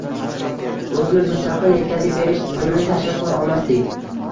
O‘zimiz mustaqil yetkazib berish tizimini tashkil qila olmasdik.